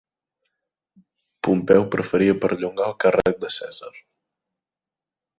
Pompeu preferia perllongar el càrrec de Cèsar.